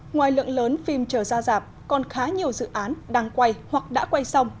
ngoài lượng lớn phim chờ ra rạp còn khá nhiều dự án đang quay hoặc đã quay xong